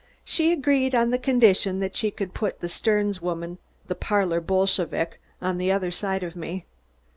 She agreed on condition that she could put that Sterns woman, the parlor Bolshevic, on the other side of me.